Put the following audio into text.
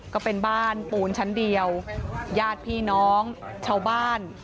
ก็เป็นบ้านปูนชั้นเดียวญาติพี่น้องชาวบ้าน